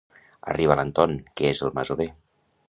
Arriba l'Anton, que és el masover.